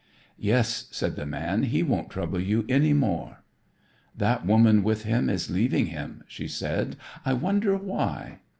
"Yes," said the man, "he won't trouble you any more." "That woman with him is leaving him," she said. "I wonder why."